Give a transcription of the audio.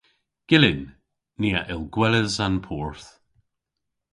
Gyllyn. Ni a yll gweles an porth.